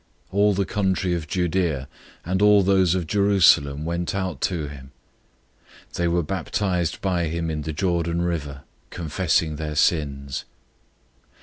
001:005 All the country of Judea and all those of Jerusalem went out to him. They were baptized by him in the Jordan river, confessing their sins.